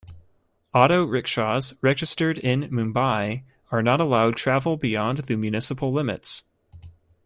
Auto rickshaws registered in Mumbai are not allowed travel beyond the municipal limits.